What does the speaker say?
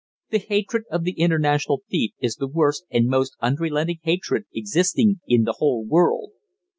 The hatred of the international thief is the worst and most unrelenting hatred existing in the whole world.